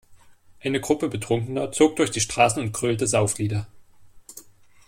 Eine Gruppe Betrunkener zog durch die Straßen und grölte Sauflieder.